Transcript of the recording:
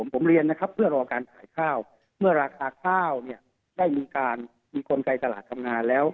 ผมเรียนเพื่อรอการขายข้าวเมื่อราคาข้าวได้มีการมีคนไกลตลาดทำงานแล้ว